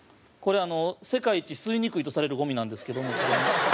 これ、世界一吸いにくいとされるゴミなんですけども。